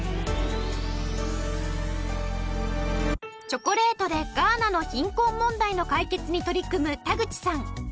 チョコレートでガーナの貧困問題の解決に取り組む田口さん。